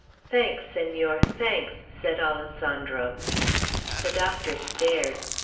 "Thanks, Senor, thanks," said Alessandro. The doctor stared.